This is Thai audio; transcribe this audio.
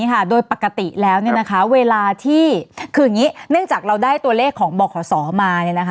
ค่ะด้วยปกติแล้วเวลาที่เนื่องจากเราได้ตัวเลขของบ่อขสอมา